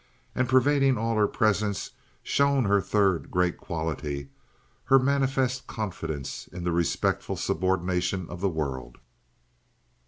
And pervading all her presence shone her third great quality, her manifest confidence in the respectful subordination of the world.